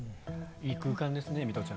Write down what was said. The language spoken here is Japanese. いい空間ですね、水卜ちゃん。